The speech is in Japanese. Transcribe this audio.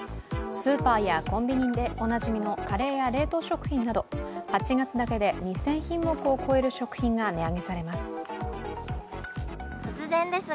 スーパーやコンビニでおなじみのカレーや冷凍食品など８月だけで２０００品目を超える食品が値上げされます。